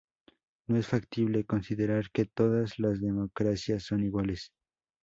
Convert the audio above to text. No es factible considerar que todas las democracias son iguales.